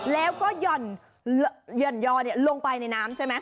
แล้วก็หย่อนยอลงไปในน้ำใช่ไหม